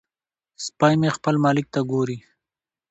سپی مې خپل مالک ته ګوري.